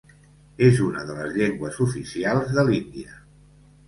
És una de les llengües oficials de l'Índia.